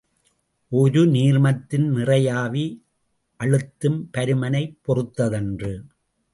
ஒரு நீர்மத்தின் நிறையாவி அழுத்தம் பருமனைப் பொறுத்ததன்று.